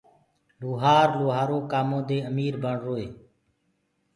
لوهآر لوهآرو ڪآمو دي امير بڻروئي